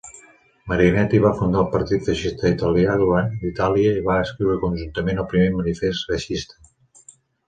Marinetti va fundar el partit feixista italià d'Itàlia i va escriure conjuntament el primer manifest feixista.